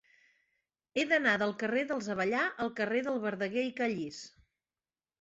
He d'anar del carrer dels Avellà al carrer de Verdaguer i Callís.